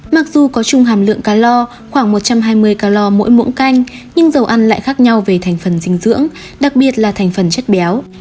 mặc dù có chung hàm lượng cá lo khoảng một trăm hai mươi calor mỗi canh nhưng dầu ăn lại khác nhau về thành phần dinh dưỡng đặc biệt là thành phần chất béo